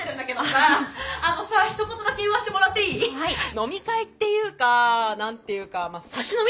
飲み会っていうか何て言うかまあサシ飲み？